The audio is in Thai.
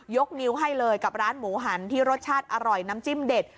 นิ้วให้เลยกับร้านหมูหันที่รสชาติอร่อยน้ำจิ้มเด็ด